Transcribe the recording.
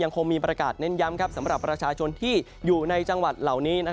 คงมีประกาศเน้นย้ำสำหรับประชาชนที่อยู่ในจังหวัดเหล่านี้